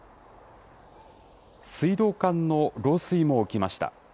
水道管の漏水も起きました。